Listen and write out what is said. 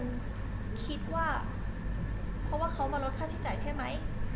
คุณคิดว่าเพราะว่าเขามาลดค่าใช้จ่ายใช่ไหม